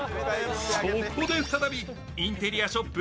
そこで再び、インテリアショップ